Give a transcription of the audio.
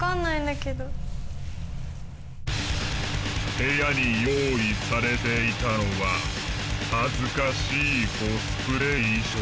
部屋に用意されていたのは恥ずかしいコスプレ衣装。